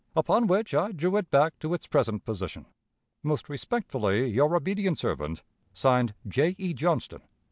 Upon which I drew it back to its present position. "Most respectfully, your obedient servant, (Signed) "J. E. Johnston."